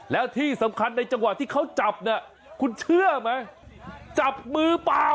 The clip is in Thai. แล้วที่สำคัญในจังหวะที่เขาจับเนี่ยคุณเชื่อไหมจับมือเปล่า